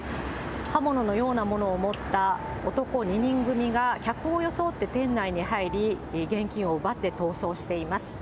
刃物のようなものを持った男２人組が客を装って店内に入り、現金を奪って逃走しています。